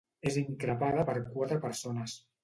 És increpada per quatre persones.